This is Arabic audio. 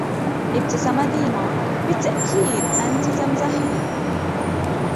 ابتسم ديما: " بالتأكيد ، أنت تمزحين! "